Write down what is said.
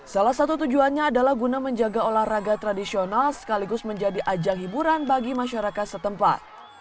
salah satu tujuannya adalah guna menjaga olahraga tradisional sekaligus menjadi ajang hiburan bagi masyarakat setempat